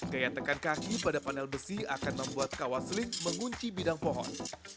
gaya tekan kaki pada panel besi akan membuat kawas ring mengunci bidang pohon